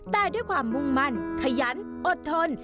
แต่ด้วยความมุ่งมั่นขยันอดทน